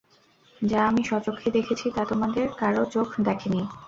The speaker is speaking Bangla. যা আমি স্বচক্ষে দেখেছি, তা তোমাদের কারো চোখ দেখেনি।